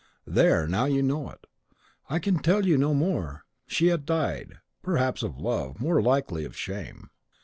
There, now you know it; I can tell you no more. She had died, perhaps of love, more likely of shame.